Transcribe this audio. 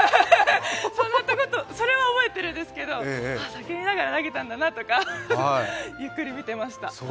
それは覚えているんですけど叫びながら投げてたんだなとかゆっくり見てました。